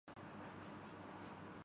نہیں سمجھانا چاہیے۔